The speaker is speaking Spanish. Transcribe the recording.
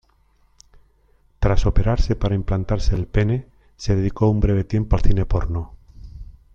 Tras operarse para implantarse el pene, se dedicó un breve tiempo al cine porno.